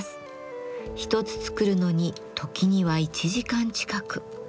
一つ作るのに時には１時間近く。